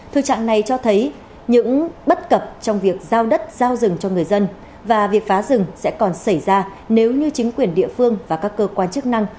thực trạng này cho thấy những bất cập trong việc giao đất giao rừng cho người dân và việc phá rừng sẽ còn xảy ra nếu như chính quyền địa phương và các cơ quan chức năng